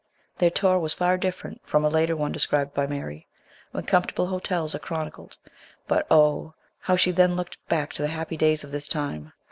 Their tour was far different from a later one described by Mary, when comfortable hotels are chronicled ; but, oh ! how she then looked back to the happy days of this time.